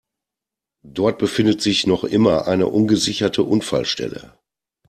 Dort befindet sich noch immer eine ungesicherte Unfallstelle.